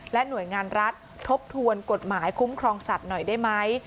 หน่วยงานรัฐทบทวนกฎหมายคุ้มครองสัตว์หน่อยได้ไหม